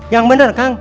yang benar kang